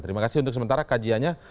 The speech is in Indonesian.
terima kasih untuk sementara kajiannya